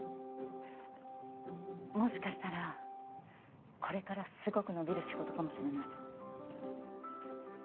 もしかしたらこれからすごく伸びる仕事かもしれない。